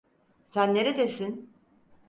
Sen neredesin?